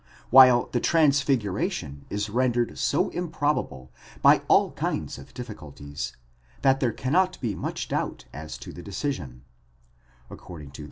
17, while the transfiguration is rendered so improbable by all kinds of difficulties, that there cannot be much doubt as to the decision, Accor ding to.